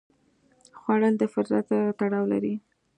خوړل د فطرت سره تړاو لري